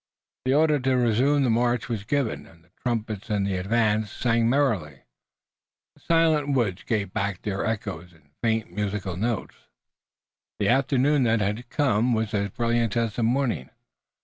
The order to resume the march was given and the trumpets in the advance sang merrily, the silent woods giving back their echoes in faint musical notes. The afternoon that had now come was as brilliant as the morning.